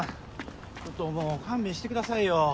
ほんともう勘弁してくださいよ。